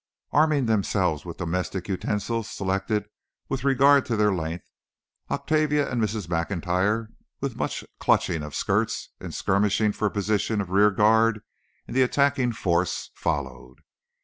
Arming themselves with domestic utensils selected with regard to their length, Octavia and Mrs. Maclntyre, with much clutching of skirts and skirmishing for the position of rear guard in the attacking force, followed.